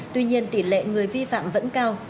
tuy nhiên tỷ lệ người vi phạm vẫn cao